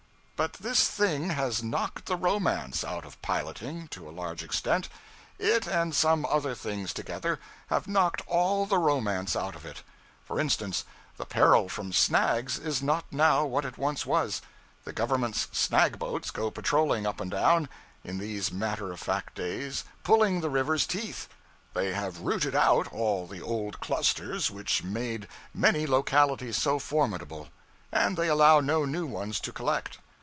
But this thing has knocked the romance out of piloting, to a large extent. It, and some other things together, have knocked all the romance out of it. For instance, the peril from snags is not now what it once was. The government's snag boats go patrolling up and down, in these matter of fact days, pulling the river's teeth; they have rooted out all the old clusters which made many localities so formidable; and they allow no new ones to collect.